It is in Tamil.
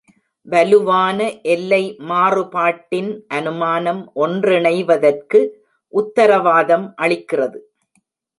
வலுவான எல்லை மாறுபாட்டின் அனுமானம் ஒன்றிணைவதற்கு உத்தரவாதம் அளிக்கிறது.